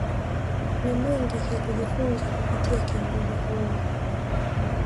Tuna mengi ya kujifunza kupitia kiongozi huyu